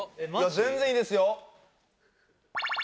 全然いいですよ